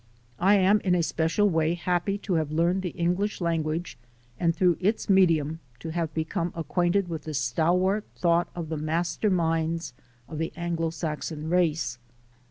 I am in a special way happy to have learned the English language and through its medium to have become acquainted with the stalwart thought of the master minds of the Anglo Saxon race.